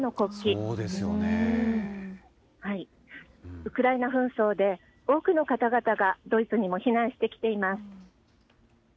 ウクライナ紛争で多くの方々がドイツにも避難してきています。